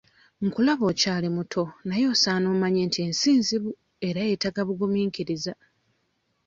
Nkulaba okyali muto naye osaana omanye nti ensi nzibu era yeetaaga bugumiikiriza.